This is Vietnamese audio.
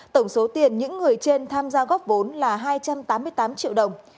tổng số tiền những người trên tham gia góp vốn là hai trăm tám mươi tám triệu đồng